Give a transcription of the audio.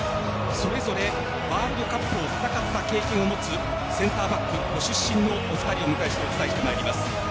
それぞれワールドカップを戦った経験を持つセンターバックご出身のお二人に解説していただきます。